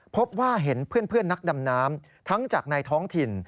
พบว่าเห็นเพื่อนนักดำน้ำทั้งจากในท้องถิ่น